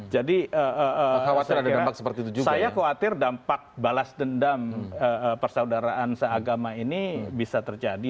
jadi saya khawatir dampak balas dendam persaudaraan seagama ini bisa terjadi